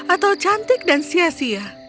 atau cantik dan sia sia